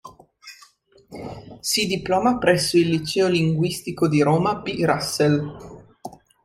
Si diploma presso il Liceo Linguistico di Roma B. Russel.